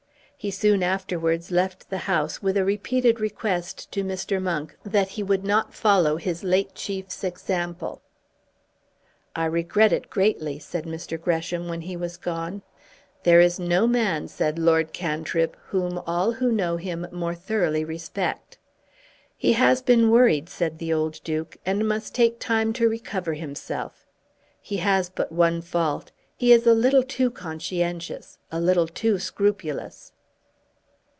He soon afterwards left the house with a repeated request to Mr. Monk that he would not follow his late chief's example. "I regret it greatly," said Mr. Gresham when he was gone. "There is no man," said Lord Cantrip, "whom all who know him more thoroughly respect." "He has been worried," said the old Duke, "and must take time to recover himself. He has but one fault, he is a little too conscientious, a little too scrupulous."